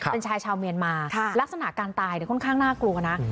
เป็นชายชาวเมียนมาลักษณะการตายค่อนข้างน่ากลัวนะ